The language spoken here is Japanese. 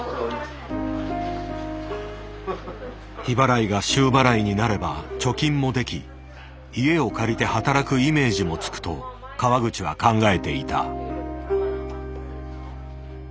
日払いが週払いになれば貯金もでき家を借りて働くイメージもつくと川口は考えていた。